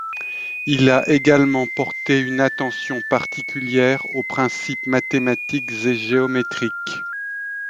Il a également porté une attention particulière aux principes mathématiques et géométriques.